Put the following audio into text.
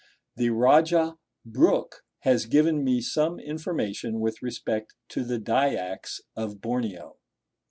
The Rajah Brooke has given me some information with respect to the Dyaks of Borneo.